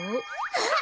あっ！